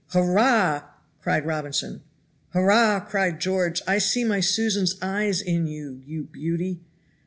Hurrah!" cried Robinson. "Hurrah!" cried George, "I see my Susan's eyes in you, you beauty."